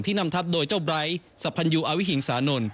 ที่นำทับโดยเจ้าไบร์ไอสัพพันยุอวิหิงสานน